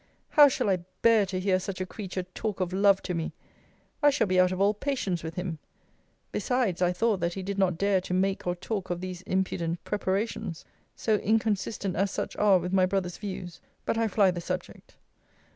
How shall I bear to hear such a creature talk of love to me? I shall be out of all patience with him. Besides, I thought that he did not dare to make or talk of these impudent preparations. So inconsistent as such are with my brother's views but I fly the subject.